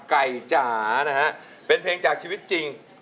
ใกล้จ๋าเป็นเพลงจากชีวิตจริง